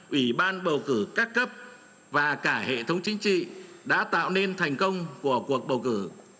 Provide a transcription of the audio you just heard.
ủy ban bầu cử các cấp và cả hệ thống chính trị đã tạo nên thành công của cuộc bầu cử